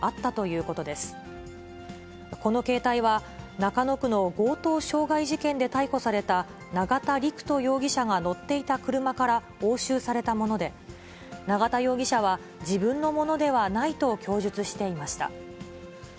この携帯は、中野区の強盗傷害事件で逮捕された、永田陸人容疑者が乗っていた車から押収されたもので、永田容疑者は、自分のものではないと供述していました。